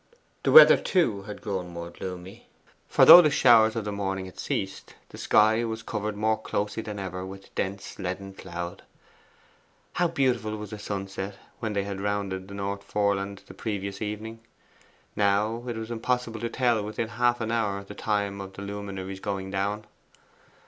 The weather too had grown more gloomy, for though the showers of the morning had ceased, the sky was covered more closely than ever with dense leaden clouds. How beautiful was the sunset when they rounded the North Foreland the previous evening! now it was impossible to tell within half an hour the time of the luminary's going down.